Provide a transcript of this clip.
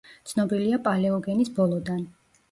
ცნობილია პალეოგენის ბოლოდან.